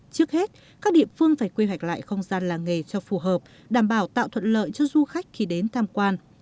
trước hết các địa phương phải quy hoạch lại không gian làng nghề cho phù hợp đảm bảo tạo thuận lợi cho du khách khi đến tham quan